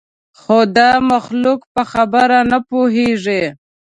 خو دا مخلوق په خبره نه پوهېږي.